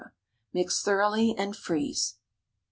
Mix thoroughly, and freeze.